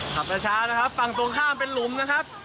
ขับช้านะครับฝั่งตรงข้ามเป็นหลุมนะครับ